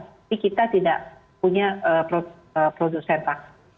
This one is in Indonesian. tapi kita tidak punya produsen vaksin